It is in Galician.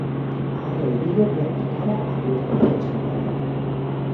'A área de Vigo planta cara á privatización sanitaria'.